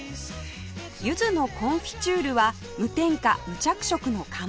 柚子のコンフィチュールは無添加無着色の看板商品